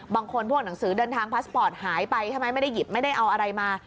บางคนพวกหนังสือเดินทางพาสปอร์ตหายไปใช่ไหมไม่ได้หยิบไม่ได้เอาอะไรมา